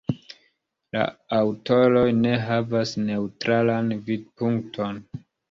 La aŭtoroj ne havas neŭtralan vidpunkton.